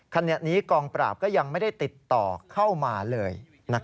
ขณะนี้กองปราบก็ยังไม่ได้ติดต่อเข้ามาเลย